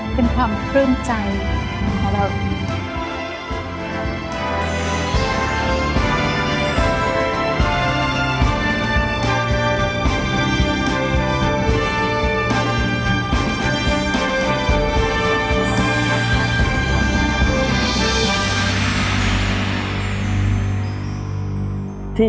เป็นความเครื่องใจของพระราวิทยุ